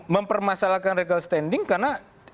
mempermasalahkan legal standing karena